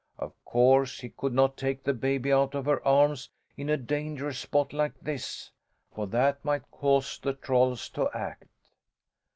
Of course he could not take the baby out of her arms in a dangerous spot like this, for that might cause the trolls to act.